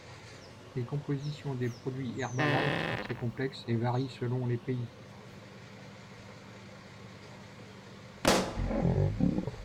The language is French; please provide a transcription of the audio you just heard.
Les compositions des produits Herbalife sont très complexes et varient selon les pays.